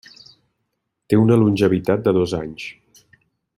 Té una longevitat de dos anys.